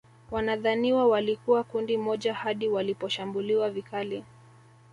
Wanadhaniwa walikuwa kundi moja hadi waliposhambuliwa vikali